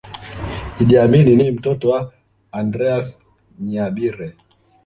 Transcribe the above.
Idi Amin ni mtoto wa Andreas Nyabire